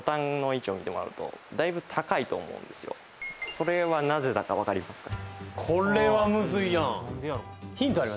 それはなぜだか分かりますか？